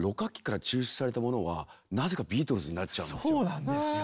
そうなんですよ。